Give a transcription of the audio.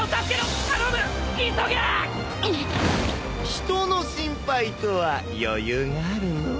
人の心配とは余裕があるのう。